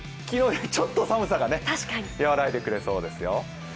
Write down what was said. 昨日よりちょっと寒さが和らいでくれそうですよ。